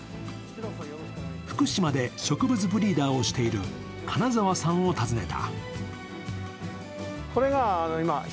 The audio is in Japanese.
福島で植物ブリーダーをしている金澤さんを訪ねた。